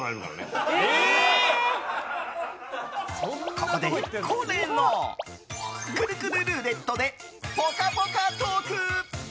ここで恒例のくるくるルーレットでぽかぽかトーク。